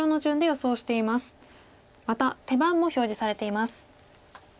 また手番も表示されています。